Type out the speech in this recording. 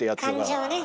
感情ね。